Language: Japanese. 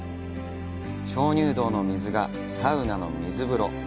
鍾乳洞の水がサウナの水風呂。